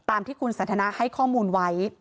ตามที่คุณสันทนาให้ข้อมูลไว้